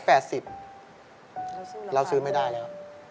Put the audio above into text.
แล้วเราซื้อไม่ได้เลย